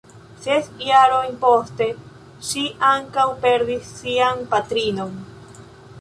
Ses jarojn poste, ŝi ankaŭ perdis sian patrinon.